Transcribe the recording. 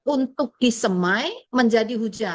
untuk disemai menjadi hujan